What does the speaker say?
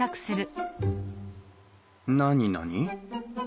何何？